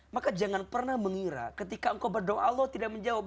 maka jangan pernah mengira ketika engkau berdoa allah tidak menjawab